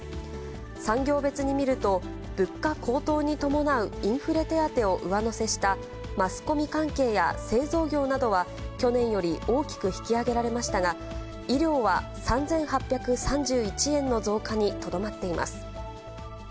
産業別に見ると、物価高騰に伴うインフレ手当を上乗せしたマスコミ関係や製造業などは去年より大きく引き上げられましたが、医療は３８３１円の増加にとどまっています。